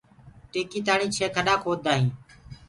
ٽيڪيٚ تآڻي ڇي کڏآ کودآ هينٚ